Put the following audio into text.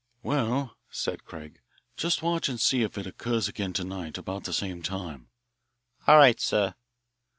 "Well," said Craig, "just watch and see if it occurs again to night about the same time." "All right, sir."